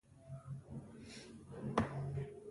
اسطورې د نیاندرتالانو د یوې ډلې د ورکېدو لپاره متحدې شوې.